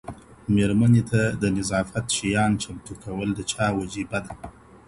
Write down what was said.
ميرمنې ته د نظافت شیان چمتو کول د چا وجیبه ده؟